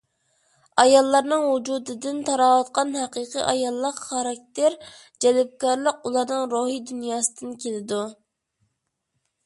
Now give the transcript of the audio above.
ئاياللارنىڭ ۋۇجۇدىدىن تاراۋاتقان ھەقىقىي ئاياللىق خاراكتېر، جەلپكارلىق ئۇلارنىڭ روھىي دۇنياسىدىن كېلىدۇ.